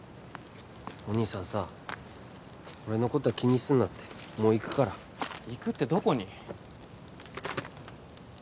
お兄さんさ俺のことは気にすんなってもう行くから行くってどこに？